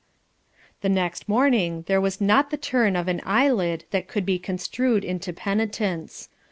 The next morning there was not the turn of an eyelid that could be construed into penitence.